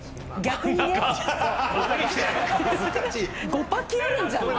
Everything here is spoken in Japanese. ５パキあるんじゃない？